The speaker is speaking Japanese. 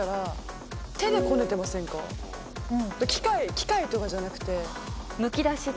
機械とかじゃなくて。